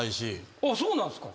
ああそうなんすか。